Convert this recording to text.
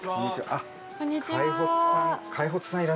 あっ。